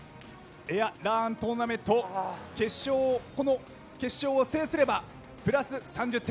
エアーラントーナメントこの決勝を制すればプラス３０点。